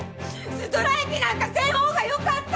ストライキなんかせん方がよかったわ！